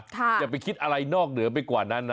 อย่าไปคิดอะไรนอกเหนือไปกว่านั้นนะ